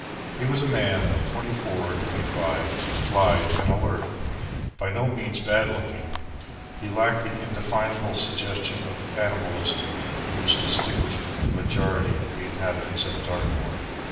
He was a man of twenty four or twenty five, lithe and alert. By no means bad looking, he lacked that indefinable suggestion of animalism which distinguished the majority of the inhabitants at Dartmoor.